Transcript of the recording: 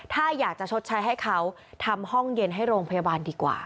ถ้าอยากจะชดใช้ให้เขาทำห้องเย็นให้โรงพยาบาลดีกว่า